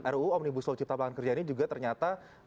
ruu omnibus law cipta lapangan kerja ini juga ternyata